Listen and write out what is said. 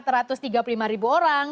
tiga puluh lima ribu orang